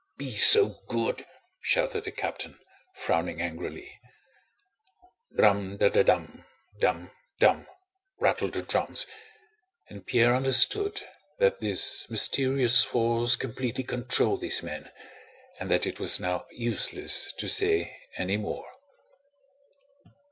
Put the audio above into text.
"Be so good..." shouted the captain, frowning angrily. "Dram da da dam, dam dam..." rattled the drums, and Pierre understood that this mysterious force completely controlled these men and that it was now useless to say any more.